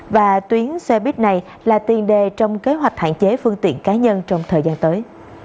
và tuyến xe buýt này là tiền đề trong kế hoạch hạn chế phương tiện cá nhân trong thời gian tới